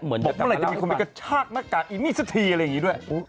บอกไม่ไหลจะเป็นคนไปกับชาติมค่าไอ้มี่ยสัจที